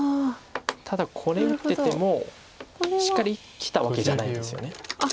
ただこれ打っててもしっかり生きたわけじゃないですよね。